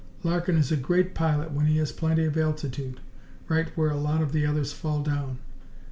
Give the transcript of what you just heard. Larkin is a great pilot when he has plenty of altitude right where a lot of the others fall down.